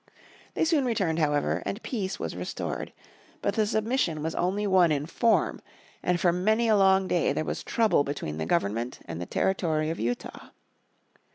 They soon returned, however, and "peace" was restored. But the submission was only one in form, and for many a long day there was trouble between the Government and the Territory of Utah.